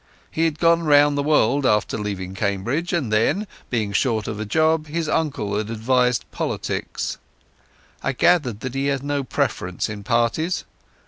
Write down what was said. He had gone round the world after leaving Cambridge, and then, being short of a job, his uncle had advised politics. I gathered that he had no preference in parties.